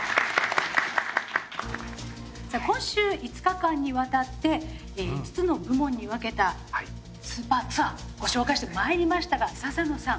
さあ今週５日間にわたって５つの部門に分けたスーパーツアーご紹介してまいりましたが笹野さん。